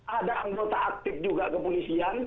ada anggota aktif juga kepolisian